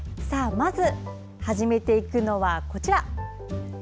まず、始めていくのはこちら。